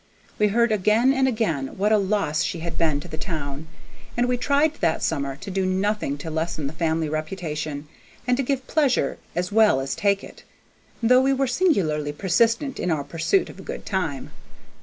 We heard again and again what a loss she had been to the town, and we tried that summer to do nothing to lessen the family reputation, and to give pleasure as well as take it, though we were singularly persistent in our pursuit of a good time.